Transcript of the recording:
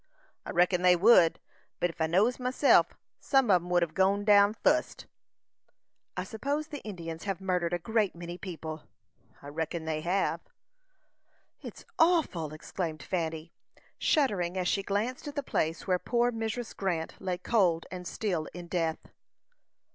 "I reckon they would; but ef I knows myself, some on 'em would hev gone down fust." "I suppose the Indians have murdered a great many people." "I reckon they hev." "It's awful!" exclaimed Fanny, shuddering, as she glanced at the place where poor Mrs. Grant lay cold and still in death.